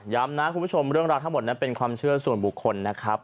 นะคุณผู้ชมเรื่องราวทั้งหมดนั้นเป็นความเชื่อส่วนบุคคลนะครับ